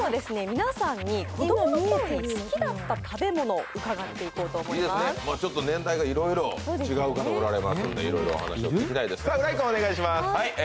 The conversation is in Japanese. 皆さんに子どもの頃に好きだった食べ物伺っていこうと思います年代が色々違う方おられますんで色々お話を聞きたいですさあ浦井くんお願いします